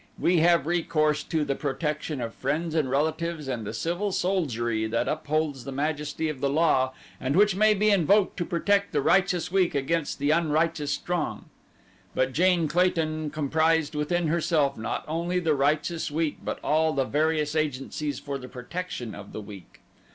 We have recourse to the protection of friends and relatives and the civil soldiery that upholds the majesty of the law and which may be invoked to protect the righteous weak against the unrighteous strong; but Jane Clayton comprised within herself not only the righteous weak but all the various agencies for the protection of the weak.